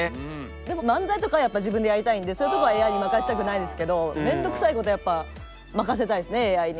でも漫才とかはやっぱ自分でやりたいんでそういうとこはＡＩに任せたくないですけど面倒くさいことはやっぱ任せたいですねＡＩに。